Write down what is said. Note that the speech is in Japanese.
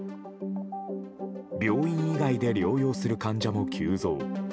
病院以外で療養する患者も急増。